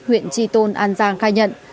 huyện tri tôn an giang khai nhận